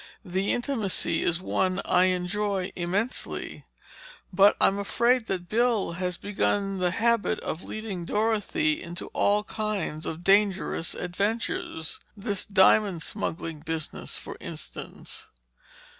"The intimacy is one I enjoy immensely. But I'm afraid that Bill has begun the habit of leading Dorothy into all kinds of dangerous adventures. This diamond smuggling business, for instance."